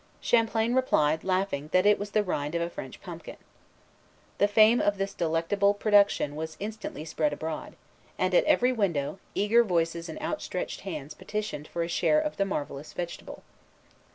Champlain replied, laughing, that it was the rind of a French pumpkin. The fame of this delectable production was instantly spread abroad; and, at every window, eager voices and outstretched hands petitioned for a share of the marvellous vegetable.